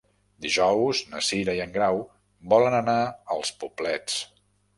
Dijous na Cira i en Grau volen anar als Poblets.